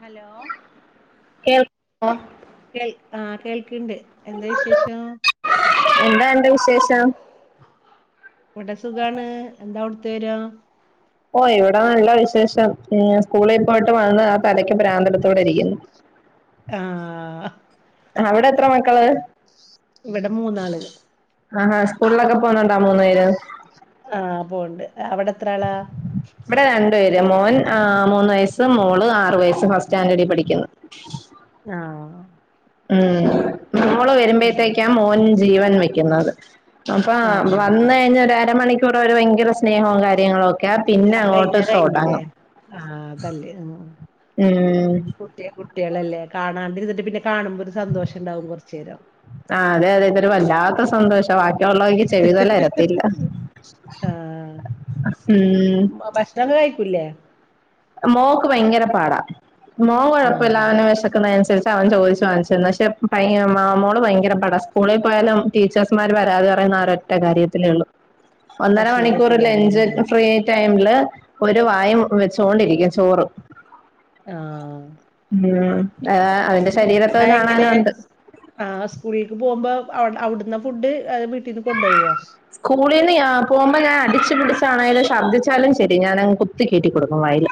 Hello കേൾക്കോ കേൾ ആഹ് കേൾക്കണ്ട്. എന്താ വിശേഷം? എന്താ അന്റെ വിശേഷം? ഇവിടെ സുഖാണ്. എന്താ അവിടുത്തെ വിവരം ഓഹ് ഇവിടെ നല്ല വിശേഷം. സ്കൂളിൽ പോയിട്ട് വന്ന് ആഹ് തലയ്ക്ക് പ്രാന്തെടുത്ത് ഇവിടെ ഇരിക്കുന്നു. ആഹ് അവിടെ എത്ര മക്കള് ഇവിടെ മൂന്നാള് ആഹ്ഹാ സ്കൂളിലൊക്കെ പോകുന്നു ഉണ്ടോ മൂന്നു പേരും? ആഹ് പോവ്ണ്ട് അവിടെ എത്ര ആളാ? ഇവിടെ രണ്ടു പേര്. മോൻ ആഹ് മൂന്ന് വയസ്സ്. മോള് ആറ് വയസ്സ്. ഫസ്റ്റ് സ്റ്റാൻഡേർഡിൽ പഠിക്കുന്നു. ആഹ് ഉം മോള് ആഹ് വരുമ്പോഴത്തേക്കാ മോൻ ജീവൻ വെക്കുന്നത് അപ്പ ആഹ് വന്നഴിഞ്ഞാ ഒരു അരമണിക്കൂർ അവര് ഭയങ്കര സ്നേഹവും കാര്യങ്ങളും ഒ ക്കാ. പിന്നെ അത് അങ്ങോട്ട് കഴിഞ്ഞാ കഴിഞ്ഞില്ലേ തുടങ്ങും. ആഹ് അതല്ലേ ഉം ട്ട്യാ കുട്ടികളല്ലേ. കാണാണ്ട് ഇരുന്നിട്ട് പിന്നെ കാണുമ്പോ ഒരു സന്തോഷണ്ടാവും കുറച്ചു നേരം. ആഹ് അതെ അതെ. ഇതൊരു വല്ലാത്ത സന്തോഷാ വാ ഉള്ളോങ്കി ചെവിതലരത്തില്ല. ആഹ് ഉം തൊക്കെ കഴിക്കൂല്ലേ? മോൾക്ക് ഭയങ്കര പാടാ. മോൻ ആഹ് കൊഴപ്പല്ലാതെ ങ്ങനെ വിശക്കുന്നതിനനുസരി പ്പ അവൻ ചോദിച്ചു വാങ്ങിച്ചു തിന്നും. പക്ഷെ ഭയ മോള് ഭയങ്കര പാടാ. സ്കൂളിൽ പോയാലും ടീച്ചേഴ്സ്മാര് പരാതി പറയുന്ന ആരൊ റ്റ കാര്യത്തിലേ ഉള്ളൂ. ഒന്നര ഭക്ഷണം മണിക്കൂർ ലഞ്ച് കഴിക്കൂലായിരുന്നുല്ലേ ഫ്രീ ടൈമില് ഒരു വായും വെ ച്ചോണ്ടിരിക്കും ചോറ്. ആഹ്. ഉം ആഹ് അവന്റെ അയെങ്ങനെ? ആഹ് സ്കൂളിൽക്ക് പോകുമ്പോ അ അവിടുന്നാ ഫുഡ്. വീട്ടീന്ന് കൊണ്ടുപോകോ? സ്കൂളിന്ന് ഞാൻ പോഉമ്പോ ഞാൻ അടിച്ച് പിടിച്ചാണേലും ഛർദ്ദിച്ചാലും ശരി ഞാനങ്ങ് കു ത്തി കേറ്റി കൊടുക്കും വായേല്.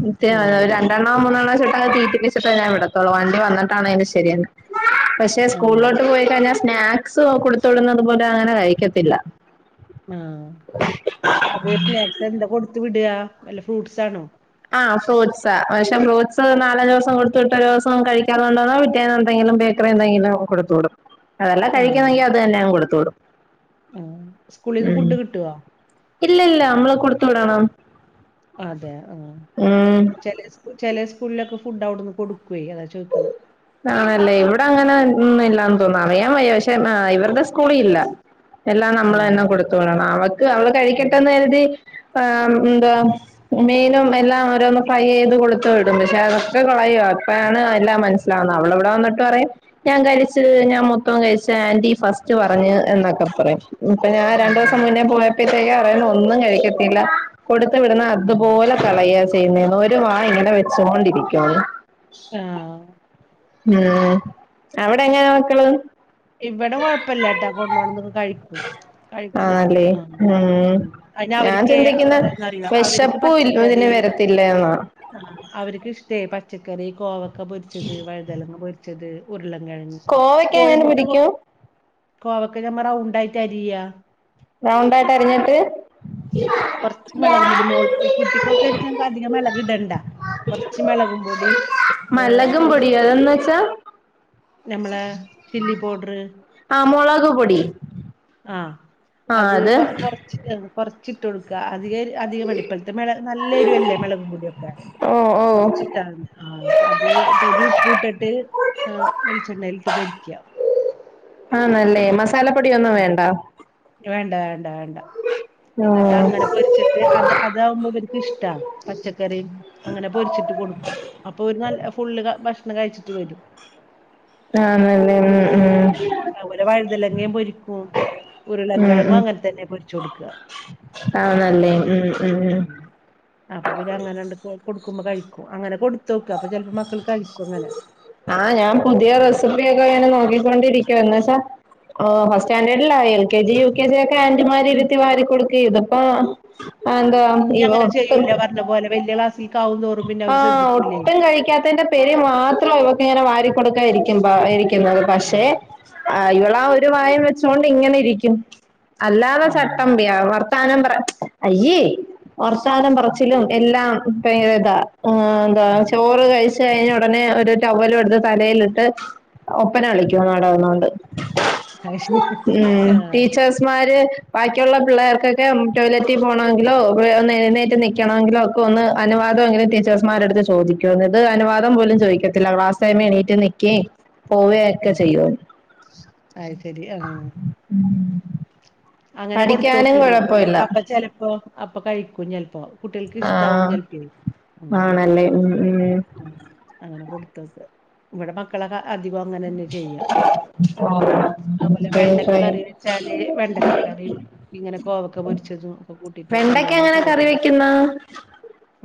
എന്നട്ട് ആഹ് [unintelligible] ര ണ്ടെണ്ണോം മൂന്നെണ്ണോം വെച്ചിട്ടങ്ങ് തീറ്റിപ്പിച്ചിട്ടാ ഞാൻ വിടത്തുള്ളൂ. വണ്ടി വന്നിട്ടാണേലും ശരിയന്നെ. പക്ഷെ ആഹ് സ്കൂളിലോട്ട് പോയി കഴിഞ്ഞാൽ സ്നാക്സ് കൊടുത്തുവിടുന്നതും പോലും അങ്ങനെ കഴിക്കത്തില്ല. ആഹ്. അത് സ്നാക്സ് എന്താ കൊടുത്തു വിടാ. വെല്ല ഫ്രൂട്ട്സ് ആണോ? ആഹ് ഫ്രൂട്സ്. താ പക്ഷെ ഫ്രൂട്സ് നാലഞ്ചു ദിവസം കൊടുത്തുവിട്ടാ ഒരു ദിവസം കഴിക്കാതെ കൊണ്ടുവന്നാ പിറ്റേെന്ന് എന്തെങ്കിലും ബേ ക്രെ എന്തെങ്കിലും കൊടുത്തു വിടും. അതല്ലാ ആഹ് കഴിക്കുന്നെങ്കി അത് തന്നെ അങ് കൊടുത്തു വിടും. ആഹ് സ്കൂളിന്ന് ഫുഡ് കിട്ടോ? ഇല്ലില്ല. നമ്മള് കൊടുത്തു വിടണം. അതെ ആഹഹ് ഉം ചേലെ ചില സ് ചെലെ സ്കൂളിലൊക്കെ ഫുഡ് അവിടുന്ന് കൊടുക്കുവേ? അതാ ചോയ്ക്ണെ. ആണല്ലേ ഇവിടെ അങ്ങനെ ഒന്നും ഇല്ലാന്ന് തോന്നുന്നു. അറിയാൻ വയ്യ. പക്ഷെ ഇവരുടെ സ്കൂളി ഇല്ല. എല്ലാം നമ്മളന്നെ ആഹ് കൊടുത്തു വിടണം. അവക്ക് അവള് ആഹ് കഴിക്കട്ടന്ന് കരുതി ആഹ് എന്തുവാ. മീനും എല്ലാം ഓരോന്ന് ഫ്രൈ ചെയ്ത് കൊടുത്തു വിടും. പക്ഷെ അതൊക്കെ കളയാ. ഇപ്പഴാണ് എല്ലാം മന സ്സിലാവുന്ന. അവള് അവിടെ വന്നട്ട് പറയും ഞാൻ കഴിച്ച് ഞാൻ മൊത്തം കഴിച്ച്. ആന്റി ഫസ്റ്റ് പറഞ്ഞ് എന്നൊക്കെ പറയും. ഇപ്പൊ ഞാൻ ഉം രണ്ടോസം മുന്നേ പോയപ്പോഴത്തേക് അറിയണ് ഒന്നും കഴിക്കത്തില്ല കൊടുത് വിടുന്ന ഉം അതുപോലെ കളയ ചെയ്യുന്നെന്ന് ഒരു വാം ഇങ്ങനെ വെച്ചുകൊണ്ടിരിക്കുവ ആഹ് [unintelligible] അവിടെ എങ്ങനാ മക്കള് ഇവടെ കൊഴപ്പല്ലാട്ടാ കൊണ്ടോണതൊക്കെ കഴിക്കും കഴിക്കും ആണല്ലേ ആഹ് ഉം അതിന് ഞാൻ അവർക്ക് ചിന്തിക്കുന്ന എന്താന്നറിയോ വിശ അവർക്ക് ക്കുൽ ഇതിനെ പച്ചക്കറി വരത്തില്ലന്നാ അവർക്ക് ഇഷ്ടേ പച്ചക്കറി കോവക്ക പൊരിച്ചത് വഴുതനങ്ങ പൊരിച്ചത് ഉരുളം കിഴങ്ങു കോവയ്ക്ക എങ്ങനെ പൊരിക്കും കോവക്ക ഞമ്മ റൗണ്ടായിറ്റ് അരിയാ റൗണ്ടായിട്ട് അരിഞ്ഞിട്ട് കുറച്ച് മിളക് പൊടി മോൾ കുട്ടിക്കൊക്കെച്ച അധികം മെളക് ഇടണ്ട കുറച്ച് മെളകു പൊടിയും ഏ, മെളകും പൊടിയോ എന്നുവെച്ചാ ഞമ്മളെ ചില്ലി പൗഡറ് ആഹ് മുളക് പൊടി ആഹ് അത് കൊ കൊറച്ച് കൊറച്ചിട്ട് കൊടുക്കാ അധിക അധികം അടിപ്പലത്ത് മെള നല്ലെരു അല്ലേ മെളകു പൊടിയൊക്കെ ഓ ഓ കൊറച്ചിട്ടാ മതി ആഹ് അത് തരി ഉപ്പൂട്ടിട്ട് ആഹ് വെളിച്ചെണ്ണയിലിട്ട് പൊരിക്കുക ആണല്ലേ മസാലപ്പൊടി ഒന്നും ഉം വേണ്ട വേണ്ട വേണ്ട വേണ്ട ഓ എന്നിട്ട് അങ്ങനെ പൊരിച്ചി- അത് അതാകുമ്പോ അവർക്ക് ഇഷ്ടാ പച്ചക്കറിയും അങ്ങനെ പൊരിച്ചിട്ട് കൊടുക്കും അപ്പൊ ഒരു നല്ല ഫുള്ള് ഭക്ഷണം കഴിച്ചിട്ട് വരും ആണല്ലേ ഉം ഉം അതുപോലെ വഴുതലങ്ങേം പൊരിക്ക ഉം ഉരുളം ഉം കിഴങ്ങും ഉം അങ്ങനെ തന്നെ പൊരിച്ച് കൊടുക്കുക ആണല്ലേ ഉം ഉം അപ്പൊ പിന്നെ അങ്ങനെണ്ട് കൊടുക്കുമ്പോ കഴിക്കും അങ്ങനെ കൊടു ത്തോക്കും അപ്പോ ചിലപ്പോ മക്കൾ കഴിക്കും അങ്ങനെ ആഹ് ഞാൻ പുതിയ റെസിപ്പിയൊക്കെ ഇങ്ങനെ നോക്കിക്കൊണ്ടിരിക്കുവ എന്നുവെച്ചാ ഓ ഫസ്റ്റ് സ്റ്റാൻഡേർഡില് ആയി L K G U K G ഒക്കെ ആന്റിമാര് ഇരുത്തി വാരി കൊടുക്കേ ഇതിപ്പോ അതെന്താ ഇനി ഇവൻ അങ്ങനെ ഒട്ടും ചെയ്യൂല്ല പോലെ വലിയ ക്ലാസ്സി ആഹ് ഒട്ടും കഴിക്കാത്തതിന്റെ ഇപ്പേരി മാത്രം ഇവക്ക് ഇങ്ങനെ വാരി കൊടുക്കാ ഇരിക്കും ഇരിക്കുന്നത് ഉം പക്ഷെ ആഹ് ഇവള് ആഹ് ഒരു വായ വെച്ചോണ്ട് ഇങ്ങനെ ഇരിക്കും അല്ലാതെ ആഹ് ചട്ടമ്പിയാ വർ വർത്താനം പറച്ചിലും അയ്യേ വർത്താനം ഉം പറച്ചിലും എല്ലാം ന്ത ആഹ് എന്താ ഉം ചോറ് കഴിച്ച കഴിച്ച് കഴിഞ്ഞ ഉടനെ ഒരു ടവ്വലും എടുത്ത് തലയിലിട്ട് ഒപ്പന കളിക്കുന്നു അവടെ നിന്നോണ്ട് ആഹ് മിസ്സ്‌ മാര് ബാക്കിയുള്ള പിള്ളേർക്കൊക്കെ ടോയ്ലറ്റിൽ പോകണമെങ്കിലോ ഒന്ന് എഴുന്നേറ്റു നിക്കണമെങ്കിലോ [unintelligible] അതോ എങ്ങനെ ടീച്ചേഴ്സ്മാരടുത്ത് ചോദിക്കും ഇത് അനുവാദം പോലും ചോദിക്കത്തില്ല ക്ലാസ് ടൈംമിൽ എണീറ്റ് നിക്കയും ഉം അയ്ശെരി ആഹ് ഉം അങ്ങനെ കൊടുത്തു നോക്ക് ഇനി അപ്പൊ കുഴപ്പമില്ല അപ്പൊ ചെലപ്പോ അപ്പൊ കഴിക്കും ചിലപ്പോ ആഹ് ആണല്ലേ ഉം ഉം ഉം അങ്ങനെ കൊടുത്തോക്ക് ഇവിടെ മക്കളൊക്കെ അധികം അങ്ങനെ തന്നെ ചെയ്യാ ഉം അതുപോലെ ഫൈൻ വെണ്ടക്ക ഫൈൻ കറി വെച്ചാല് വെണ്ടക്ക കറി ഇങ്ങനെ കോവക്ക പൊരിച്ചതും ഒക്കെ കൂട്ടിട്ട് വെണ്ടയ്ക്ക നല്ലോണം എങ്ങനെ കറി ചോറുണ്ണും വെക്കുന്ന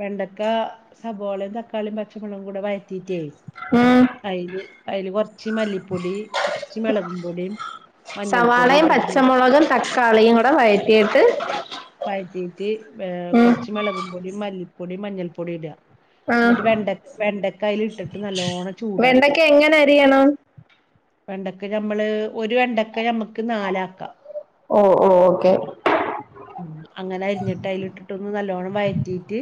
വെണ്ടക്ക സബോളയും തക്കാളിയും പച്ചമൊളകും കൂടെ വഴറ്റീറ്റേ ഉം അതില് അതില് കൊറച്ച് മല്ലിപ്പൊടി കുറച്ച് മെളകും പൊടിയും മഞ്ഞൾപ്പൊടിയും സവാളയും ഇട്ടിട്ട് ന പച്ചമുള തക്കാളിയും കൂടെ വഴറ്റിയിട്ട് വഴത്തീറ്റ് ഏഹ് ഉം കുറച്ച് മളകും പൊടി മല്ലിപ്പൊടി മഞ്ഞൾപ്പൊടി ഇട ആഹ് എന്നിട്ട് വെണ്ട വെണ്ടക്ക അതിൽ ഇട്ടിട്ട് നല്ലോണം വെണ്ടയ്ക്ക ചൂടാക്കുക എങ്ങനെ അരിയണം വെണ്ടക്ക നമ്മള് ഒരു വെണ്ടക്ക നമ്മുക്ക് നാലാക്കാം ഓ ഓ ഓക്കെ ഉം അങ്ങനെ അരിഞ്ഞിട്ട് അതിലിട്ടിട്ടൊന്ന് നല്ലവോണം വയറ്റീട്ട്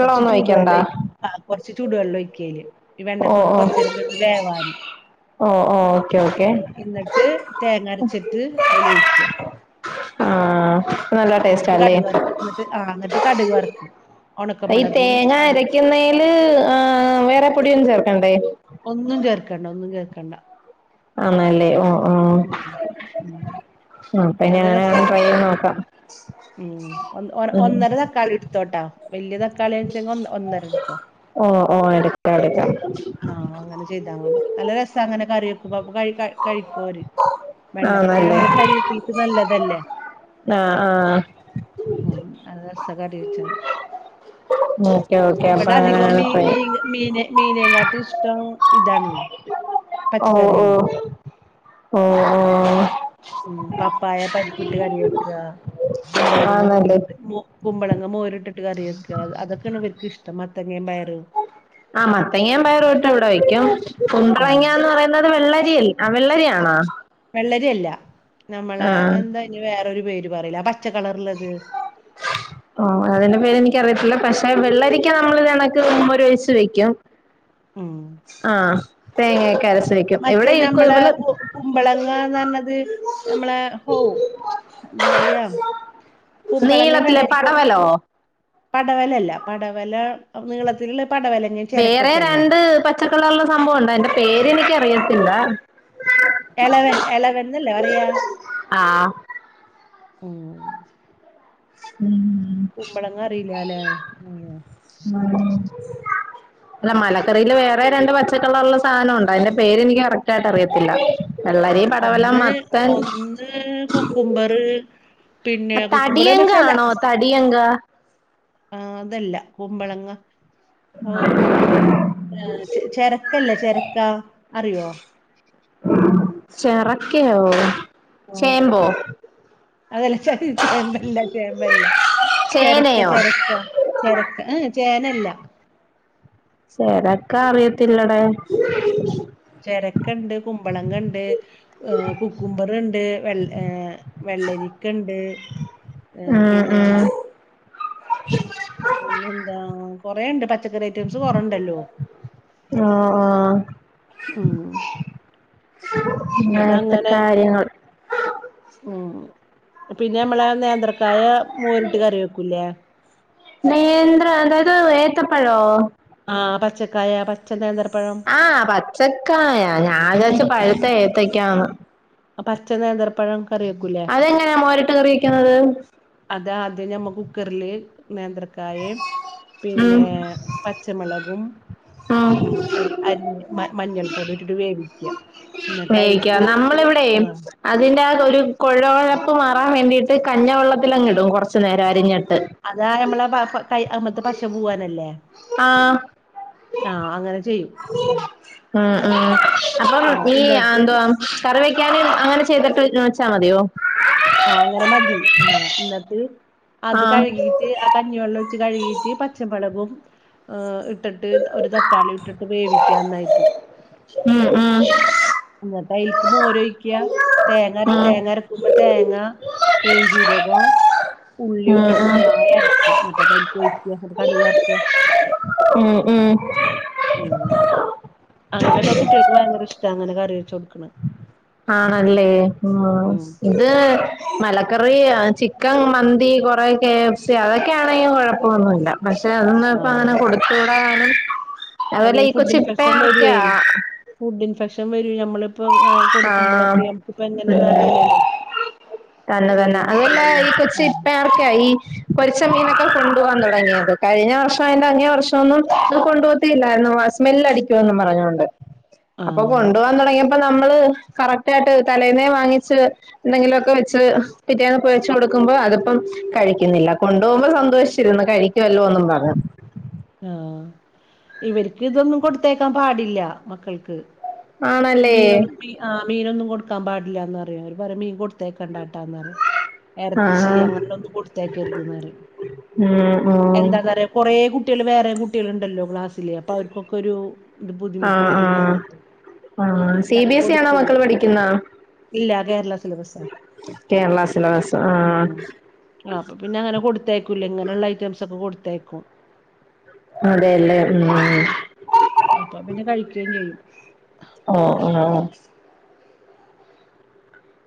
കുറച്ച് ചൂടു ഒഴിക്കണ്ടാ വെല്ലാം ഒഴി ആഹ് കൊറച്ച് ചൂടുവെള്ളം ഒഴക്കയില് ഈ ഓ വെണ്ടക്ക ഒന്ന് ഓ കൊറച്ച നേരം കേടന്ന് വേവാന് ഓ ഓ ഓക്കെ ഓക്കെ ആഹ് എന്നിട്ട് തേങ്ങ അരച്ചിട്ട് അതിൽ ഒഴിക്കുക ആഹ് ഇന്നിട്ട് കടു വർക്ക് എന്നിട്ട് ആഹ് എന്നിട്ട് കടുക് വർക്ക ഈ തേങ്ങ അരക്കുന്നേൽ ആഹ് വേറെ പൊടിയൊന്നും ചേർക്കണ്ടേ ഒന്നും ചേർക്കണ്ട ഒന്നും ചേർക്കണ്ട ആണല്ലേ ഓ ആഹ് ഉം ഉം നല്ല രസ അങ്ങനെ വെക്കുമ്പോ ഉം ഉം ഒന്നര തക്ക ളിടുത്തോട്ടാ വലിയ തക്ക കളണിച്ച ഒന്നര എടുത്തോ ഓ ഓ എടുക്കാം എടുക്കാം ആഹ് അങ്ങനെ ചെയ്താൽ മതി നല്ല രസ അങ്ങനെ കറി വെക്കുമ്പോ കഴി കെഴിക്കോവര് വെണ്ടക്ക ഇപ്പൊ ആന്നല്ലേ നമ്മളെ ശരീരത്തിൽ നല്ലതല്ലേ ആ ആ ഉം നല്ല രസ കറി വെച്ചാല് ഓക്കെ ഓക്കെ അപ്പൊ ഇവടെ അങ്ങനെ അധികം മീൻ ട്രൈ മീന് മീനെ ചെയ്യാം. മീനേങ്ങാട്ടിൽ ഇഷ്ടം ഇതാണ് ഓ ഓ പച്ചക്കറിയാണ് ഓ ഓ ഉം പപ്പായ പരിപ്പിട്ട് കറി വെക്കാ കുമ്പളങ്ങ ആന്നല്ലേ മോരിട്ട് മോ കുമ്പളങ്ങ മോരി ഇട്ടിട്ട് കറി വെക്കാ അതൊക്കെ ഇവർക്ക് ഇഷ്ടം മത്തങ്ങയും പയറും ആഹ് മത്തങ്ങ പയറയിട്ട് ഇവിടെ വയ്ക്കും ഉം കുമ്പളങ്ങാന്ന് പറയ പറയുന്നത് വെള്ളരി ആഹ് വെള്ളരിയാണോ വെള്ളരിയല്ല നമ്മളെ ആഹ് എന്താ അയിന് വേറൊരു പേര് പറയില്ലെ പച്ച കളർള്ളത് [unintelligible] ഓ അതിന്റെ പേര് എനിക്കറിയത്തില്ല പക്ഷെ വെള്ളരിക്കാ നമ്മള് ഇതെക്കണക്കിന് മുമ്പ് ഒരു ഒഴിച്ച് വെക്കും ഉം ആഹ് തേങ്ങൊക്കെ അരച്ച് വെക്കും മറ്റേ ഇവിടെ ഞമ്മളെ കു [unintelligible] കുമ്പളങ്ങാന്ന് പറഞ്ഞത് നമ്മളെ ഹോ എന്താ പറയാ കുമ്പളങ്ങെ നീളത്തിലെ വെള്ളരിക്കോ പടവലോ പടവലല്ല പടവല നീളത്തി പടവല വേറെ രണ്ട് പച്ചക്കളറുള്ള സംഭവുണ്ട് അതിന്റ പേര് എനിക്കറിയത്തില്ല എലവൻ എലവൻന്നല്ലെ പറയ ആഹ് ഉം ഉം കുമ്പളങ്ങ അറിയില്ലാല്ലേ ഉം ആഹ് അല്ല മലക്കറിൽ വേറെ രണ്ട് പച്ചക്കളറിലെ സാധനം ഉണ്ട് അതിന്റെ പേര് എനിക്ക് കറക്റ്റായിട്ട് അറിയത്തില്ല വെള്ളരി പടവലം ഒന്ന് മത്തൻ ഉം ഒന്ന് കുക്കുംബറ് പിന്നെ കുക്കുംബറ് സാല ടിയങ്ക ആഹ് അതല്ല കുമ്പളങ്ങ പോന്ത പറയാ ഏഹ് ചെരക്കല്ലേ ചെരക്കാ അറിയോ ചിറക്കയോ ആഹ് ചേമ്പോ അതല്ല ച ചേമ്പല്ല ചേമ്പല്ല ചെരക്ക ചേനയോ ചെരക്ക ചെരക്ക് ആഹ് ചേനല്ല ചെരക്ക അറിയത്തില്ലടെ ചെരക്ക ഉണ്ട് കുമ്പളങ്ങ ഉണ്ട് ഏഹ് കുക്കുംബർ ഉണ്ട് വെള്ള ഏഹ് വെള്ളരിക്കയുണ്ട് ഏഹ് ഉം പിന്നെ ഉം പിന്നെ എന്താ കൊറെ ഉണ്ട് പച്ചക്കറി ഐറ്റംസ് കൊറ ഉണ്ടല്ലോ ആഹ് ഉം ഇവിടെ അങ്ങനത്തെ അങ്ങനെ കാര്യങ്ങൾ ഉം പിന്നെ നമ്മള് നേന്ത്രക്കായ മോരിട്ട് കറി വെക്കൂലേ നേന്ത്ര അതായത് ഏത്തപ്പഴോ ആഹ് പച്ചക്കായ പച്ച നേന്ദ്രപ്പഴം ആഹ് പച്ചക്കായ ഞാൻ വിചാരിച്ച് പഴുത്ത ഏത്തക്കാന്ന് ആഹ് പച്ച നേന്ത്രപ്പഴം കറി വെക്കൂലേ അതെങ്ങനാ മോരിട്ട് കറി വെക്കുന്നത് അതാദ്യം ഞമ്മ കുക്കറില് നേന്ത്രക്കായ് ഉം പിന്നെ പച്ചമുളകും ഉം അ അരിഞ്ഞ് മഞ്ഞൾ പൊടി ഇട്ടിട്ട് വേവിക്കുക എന്നിട്ട് വേവിക്കാ അയിൽക്ക് നമ്മള് ഇവിടെ ആഹ് അതിന്റെ ആഹ് ഒരു കുഴവഴപ്പ് മാറാൻ വേണ്ടിട്ട് കഞ്ഞ വെള്ളത്തിലങ്ങട്ട് ഇടും കുറച്ചു നേരം അരിഞ്ഞിട്ട് അതാ നമ്മളെ കൈ അമ്മത്തെ പശപൂവാനല്ലേ ആഹ് ആഹ് അങ്ങനെ ചെയ്യും ഉം ഉം അപ്പം ആഹ് ഈ എന്നിട്ട് യന്തോ കറി വെക്കാന് അങ്ങനെ ചെയ്തിട്ട് വെച്ചാൽ മതിയോ ആഹ് അങ്ങനെ മതി ആഹ് എന്നിട്ട് അത് ആഹ് കഴുകിട്ട് ആഹ് കഞ്ഞിവെള്ളം കഴുകിട്ട് പച്ചമുളകും ഏഹ് ഇട്ടിട്ട് ഒരു തക്കാളി ഇട്ടിട്ട് വേവിക്കാ നന്നായിട്ട് ഉം ഉം എന്നിട്ട് അതിലേക്ക് മോര് ഒഴിക്കുക തേങ്ങര ഉം തേങ്ങര തേങ്ങ പെരും ജിരകം ഉള്ളി ഇട്ടിട്ട് നന്നായി അരക്ക എന്നിട്ട് അത് അതിക്ക് ഒഴിക്കാ കടു വറുക്കാ ഉം ഉം ഉം അങ്ങനെയൊക്കെ കുട്ടികൾക്ക് ഭയങ്കര ഇഷ്ടാ അങ്ങനെ കറി വെച്ചു കൊടുക്കണ ആണല്ലേ ഉം ഇത് മലക്കറി ചിക്കൻ മന്തി കുറെ കെ എഫ്സി അതൊക്കെയാണെങ്കിൽ കുഴപ്പമൊന്നുമില്ല പക്ഷെ അതൊന്നും ഇപ്പ അങ്ങനെ ആഹ് കൊടുത്തുകൂടാനാണ് അതുമല്ല അതെ ഈ ഫുഡ് കൊച്ചു ഇൻഫെക്ഷൻ ഇപ്പയാർക്കാ വരുവേ ഫുഡ് ഇൻഫെക്ഷൻ വരും നമ്മളിപ്പൊ കൊടുക്കുമ്പോളൊക്കെ ആഹ് നമുക്കിപ്പ എങ്ങനെന്ന് അറിയില്ലല്ലോ തന്ന തന്നെ ചെറിയ അതല്ല മക്കളല്ലേ ഈ കൊച്ചു ഉം ഇപ്പ ഈ പൊരിച്ച മീനൊക്കെ കൊണ്ടു പോവാൻ തുടങ്ങിയത് കഴിഞ്ഞ വർഷം അതിന്റെ അങ്ങേ വർഷം ഒന്നും അത് കൊണ്ടു പോത്തില്ലാരുന്നു സ്മെൽ അടിക്കു വെന്ന് പറഞ്ഞോണ്ട് അപ്പൊ ആഹ് കൊണ്ടു പോവാൻ തുടങ്ങിയപ്പോ നമ്മള് കറക്റ്റ് ആയിട്ട് തലേന്നേ വാങ്ങിച്ച് എന്തെങ്കിലുമൊക്കെ വെച്ച് പിറ്റേന്ന് പൊരിച്ചു കൊടുക്കുമ്പോ അതിപ്പം കഴിക്കുന്നില്ല കൊണ്ടുപോകുമ്പോ സന്തോഷിച്ചിരുന്നു കഴി കഴിക്കുമല്ലോ എന്നും പറഞ്ഞു ആഹ് ഇവരിക്ക് ഇതൊന്നും കൊടുത്തേക്കാൻ പാടില്ല മക്കൾക്ക് ആണല്ലേ മീനും ആഹ് മീനൊന്നും കൊടുക്കാൻ പാടില്ലാന്ന് പറയും അവര് പറയും മീൻ കൊടുത്തേക്കണ്ടാട്ടാന്നറിം എറച്ചി ആഹ് അങ്ങനെയുള്ളൊന്നും കൊടുത്തയക്കരുതന്ന്റിയും ഉം ഉം എന്താന്നറിയോ കൊറേ കുട്ടിയള് വേറേം കുട്ടിയള്ണ്ടല്ലോ ക്ലാസി ല് അപ്പവർക്കക്കൊരു ബുദ്ധിമുട്ട് ആഹ് ആഹ് വെരുന്നർഞ്ട്ട് ആഹ് സി ബി എസ്സിയാണോ മക്കള് പഠിക്കുന്നേ? ഇല്ല കേരള സിലബസാ കേരളാ സിലബസ് ആഹ് അപ്പ പിന്നങ്ങനെ കൊടുത്തയക്കുല്ല ഇങ്ങനെള്ള ഐറ്റംസൊക്കെ കൊടുത്തയക്കും അതെല്ലേ ഉം അപ്പൊ പിന്നെ കഴിക്കേം ചെയ്യും ആഹ് ആഹ്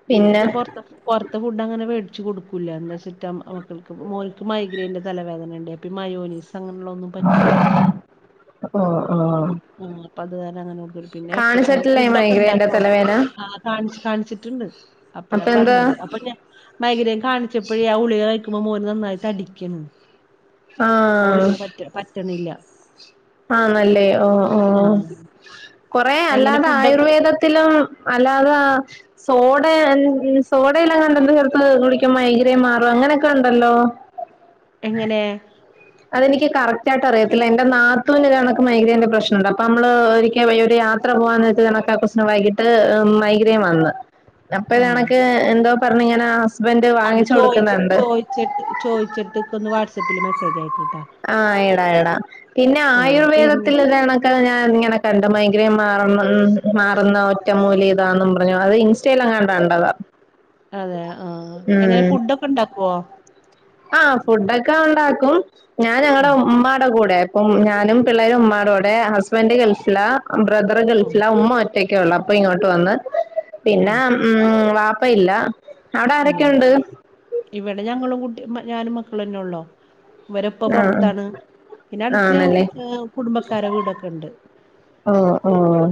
പിന്നെ പിന്നെച്ചാ പൊറത്തർ പൊറത്തെ ഫുഡങ്ങനെ വേടിച്ച് കൊടുക്കൂല്ല എന്താച്ചിട്ടാ മക്കൾക്ക് മോൻക്ക് മൈഗ്രയിൻന്റെ തലവേദനണ്ട് അപ്പയീ മയോനൈസ് അങ്ങനെള്ളതൊന്നും പറ്റില്ല ഓ ഓ ഉം ആ അപ്പത് കാരണങ്ങനെ കൊടുക്കല് പിന്നെ എപ്പഴെ കാണിച്ചിട്ടില്ലേ മൈഗ്രേന്റെ ഫുഡക്കെണ്ടാക്കോ? തലവേന കാണ് കാണിച്ചിട്ട്ണ്ട് അപ്പഴാ അപ്പൊ എന്താ പറഞ്ഞത് അപ്പൊ ഞാൻ മൈഗ്രേൻ കാണിച്ചപ്പഴേ ആ ഗുളിക കഴിക്കുമ്പോ മോന് നന്നായി തടിക്കാണ് ആ ആഹ് ഗുളിക പറ്റ പറ്റണില്ല ആന്നല്ലേ ഓഹോ ആഹ് കൊറേയല്ലാതെ ആയുർവേദത്തിലും അല്ലാതെ സോടെ എൻ സോയില്ലെങ്ങാണ്ടോ എന്തോ കൊടുത്ത് കുടിക്കുമ്പോ മൈഗ്രൻ മാറും അങ്ങനെയൊക്കെയുണ്ടല്ലോ എങ്ങനെ? അതെനിക്ക് കറക്റ്റായിട്ടറിയത്തില്ല എന്റെ നാത്തൂനിത് കണക്ക് മൈഗ്രേന്റെ പ്രശ്നവുണ്ട് അപ്പമ്മള് ഒരിക്ക വയ്യേ ഒരു യാത്ര ത്ര പോകവെന്ന് വെച്ച് കണക്കാ കൊച്ചിന് വൈകിട്ട് മൈഗ്രേൻ വന്ന് അപ്പതേ ആ കണക്ക് എന്തോ പറഞ്ഞ്ങ്ങനെ ഹസ്ബൻഡറ് വാങ്ങിച്ചു കൊടുക്കുന്ന്ണ്ട് ചോയ്ച്ചിട്ടിക്കൊന്ന് വാട്സപ്പില് മെസേജയക്കിട്ടോ ആഹ് ഇടായിടാ പിന്നെ പിന്നെ ആയുർവേദത്തിലിതാണക്ക് ഞാനിങ്ങനെ കണ്ടേ മൈഗ്രൻ മാറുന്ന മാറുന്ന ഒറ്റമൂലിയിതാന്നും പറഞ്ഞു അത് ഇൻസ്റ്റ യിലെങ്ങാണ്ട് കണ്ടതാ അതെ ആ എങ്ങനെ ഉം ഫുഡൊക്കെണ്ടാക്കുവോ? ആഹ് ഫുഡൊക്കെ ഉണ്ടാക്കും ഞാനിവിടെ ഉം ഉമ്മാടെ കൂടെ ഉം ഞാനും പിള്ളേരും ഉമ്മാടെ കൂടെ ഹസ്ബൻഡ് ഗൾഫിലാ ബ്രദർ ഉം ഗൾഫിലാ ഉമ്മ ഒറ്റ റ്റക്കൊള്ളൂ അപ്പയിങ്ങോട്ട് വന്ന് പിന്നെ ഉം വാപ്പയില്ല അവ്ടെയാരൊക്കെയുണ്ട്? ഇവടെ ഞങ്ങളും കുട്ടി ഞാനും മക്കളെന്നെയൊള്ളു ഇവരെപ്പ ആഹ് പൊറത്താണ് പിന്നെ അടുത്ത് ആണല്ലേ ഞ കുടുംബക്കാരെ വീടൊക്കെണ്ട് ആഹ് ആഹാ